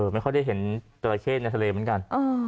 ไม่ค่อยได้เห็นจราเข้ในทะเลเหมือนกัน